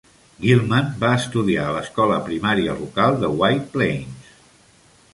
Gilman va estudiar a l'escola primària local de White Plains.